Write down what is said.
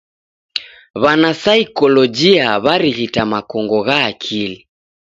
W'anasaikolojia w'arighita makongo gha akili.